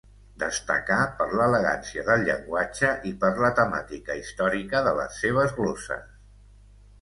Destacà per l'elegància del llenguatge i per la temàtica històrica de les seves gloses.